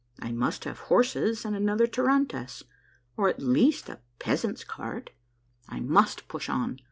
I must have horses and another tarantass, or at least a peasant's cart. I must push on.